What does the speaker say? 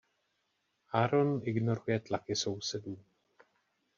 Aaron ignoruje tlaky sousedů.